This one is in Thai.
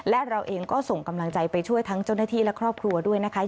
และเราเองก็ส่งกำลังใจไปช่วยทั้งเจ้าหน้าที่และครอบครัวด้วยนะคะ